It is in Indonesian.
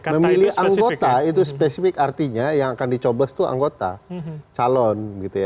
memilih anggota itu spesifik artinya yang akan dicoblos itu anggota calon